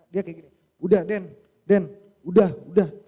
dia kayak gini udah den den udah udah